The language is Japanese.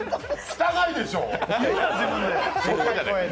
汚いでしょ。